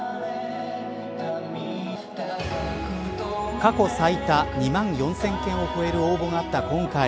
過去最多２万４０００件を超える応募があった今回。